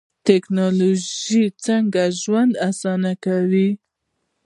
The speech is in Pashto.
ټکنالوژي څنګه ژوند اسانه کړی؟